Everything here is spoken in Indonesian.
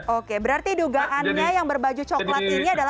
oke berarti dugaannya yang berbaju coklat ini adalah pakaian dinas ya mas doni